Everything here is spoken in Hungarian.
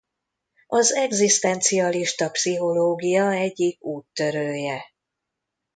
Az egzisztencialista pszichológia egyik úttörője.